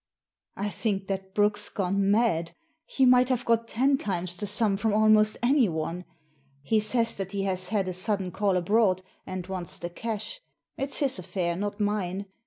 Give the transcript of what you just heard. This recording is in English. " I think that Brooke's gone mad. He might have got ten times the sum from almost anyone. He says that he has had a sudden call abroad, and wants the cash. It's his affair, not mine.